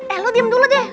eh lo diam dulu deh